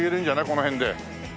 この辺で。